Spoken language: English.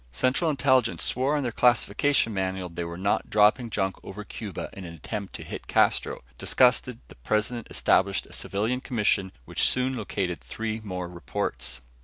Central Intelligence swore on their classification manual they were not dropping junk over Cuba in an attempt to hit Castro. Disgusted, the President established a civilian commission which soon located three more reports.